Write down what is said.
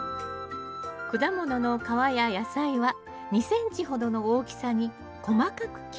果物の皮や野菜は２ｃｍほどの大きさに細かく切ります。